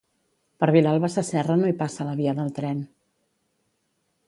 Per Vilalba Sasserra no hi passa la via del tren